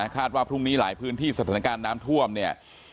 ว่าพรุ่งนี้หลายพื้นที่สถานการณ์น้ำท่วมเนี่ย